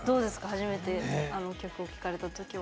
初めてあの曲を聴かれた時は。